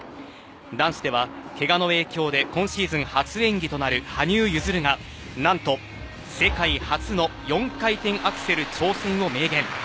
男子ではケガの影響で今シーズン初演技となる羽生結弦が何と、世界初の４回転アクセル挑戦を明言。